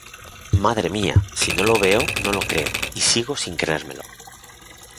¡Madre, mía!. Si no lo veo, no lo creo y sigo sin creérmelo.